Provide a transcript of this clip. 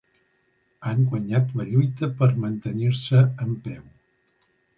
Han guanyat la lluita per mantenir-se en peu.